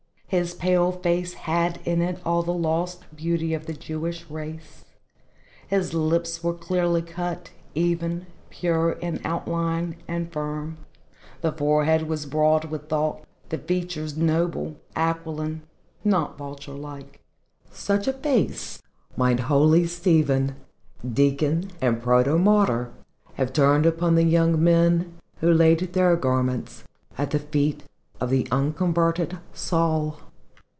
His pale face had in it all the lost beauty of the Jewish race, the lips were clearly cut, even, pure in outline and firm, the forehead broad with thought, the features noble, aquiline not vulture like. Such a face might holy Stephen, Deacon and Protomartyr, have turned upon the young men who laid their garments at the fee of the unconverted Saul.